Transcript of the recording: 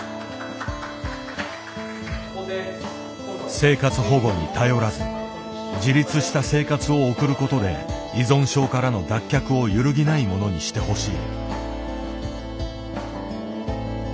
生活保護に頼らず自立した生活を送ることで依存症からの脱却を揺るぎないものにしてほしい。